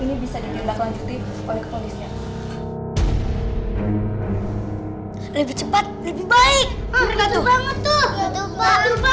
ini bisa dibilang lanjutin oleh kepolisnya